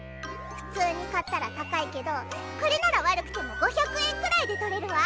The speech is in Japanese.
普通に買ったら高いけどこれなら悪くても５００円くらいで取れるわ。